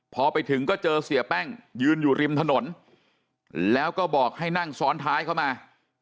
พอไปถึงก็เจอเสียแป้งยืนอยู่ริมถนนแล้วก็บอกให้นั่งซ้อนท้ายเข้ามา